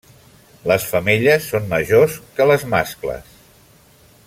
Les femelles són majors que les mascles.